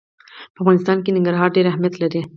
په افغانستان کې ننګرهار ډېر اهمیت لري.